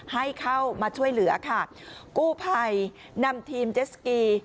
ให้เข้ามาช่วยเหลือค่ะกู้ภัยนำทีมเจสกี